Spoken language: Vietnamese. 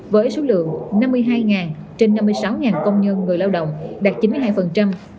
với số lượng năm mươi hai trên năm mươi sáu công nhân người lao động đạt chín mươi hai